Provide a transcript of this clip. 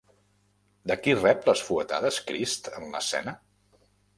De qui rep les fuetades Crist en l'escena?